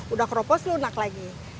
udah keropos lunak lagi